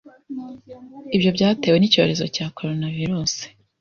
ibyo byatewe n’icyorezo cya Coronavirus.